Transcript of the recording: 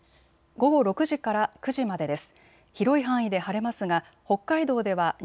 午後９時から午前０時までです。